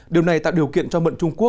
điều này tạo điều kiện cho mận trung quốc